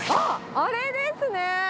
あれですね。